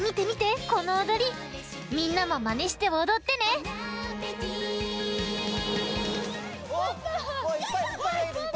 みんなもまねしておどってねポッポ！